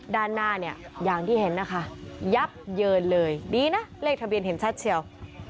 ด้านหน้าเนี่ยอย่างที่เห็นนะคะยับเยินเลยดีนะเลขทะเบียนเห็นชัดเชียว